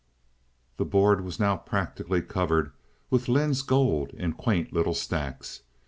The board was now practically covered with Lynde's gold in quaint little stacks.